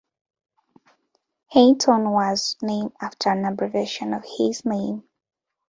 Highton was named after an abbreviation of his name.